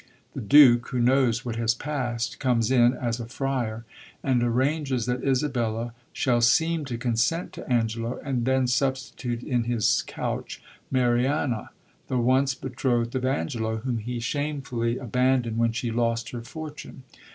The Duke, who knows what has past, comes in as a friar, and arranges that Isabella shall seem to consent to Angelo, and then substitute in his conch Mariana, the once betrothd of Angelo, whom he shamefully abandond when she lost her fortune.